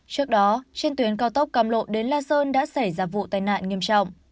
trước đó trên tuyến cao tốc cam lộ đến la sơn đã xảy ra vụ tai nạn nghiêm trọng